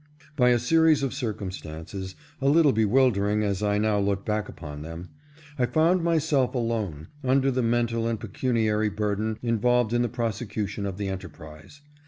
By a series of circumstances, a little bewildering as I now look back upon them, I found myself alone, under the mental and pecuniary bur den involved in the prosecution of the enterprise.